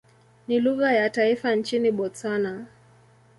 Ni lugha ya taifa nchini Botswana.